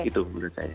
itu menurut saya